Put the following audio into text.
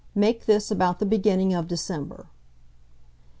Make this about the beginning of December.